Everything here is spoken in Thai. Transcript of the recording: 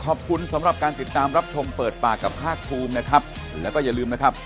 ขอบคุณสำหรับการติดตามรับชมเปิดปากกับภาคภูมินะครับแล้วก็อย่าลืมนะครับ